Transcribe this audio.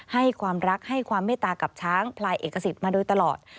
ให้ความรักให้ความเมตตากับช้างพลายเอกสิทธิ์มาโดยตลอด